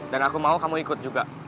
dan aku mau kamu ikut juga